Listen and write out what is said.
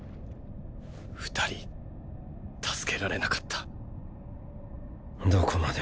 ２人助けられなかった。